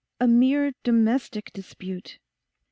A mere domestic dispute!